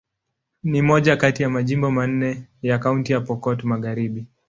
Ni moja kati ya majimbo manne ya Kaunti ya Pokot Magharibi.